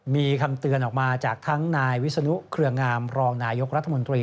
มีคำเตือนออกมาจากทั้งนายวิศนุเครืองามรองนายกรัฐมนตรี